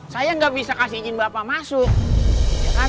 saya nggak bisa kasih izin bapak masuk